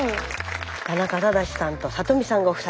田中正さんと里美さんご夫妻。